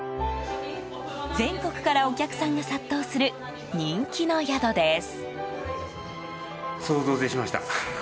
全国からお客さんが殺到する人気の宿です。